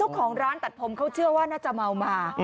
ของร้านตัดผมเขาเชื่อว่าน่าจะเมามา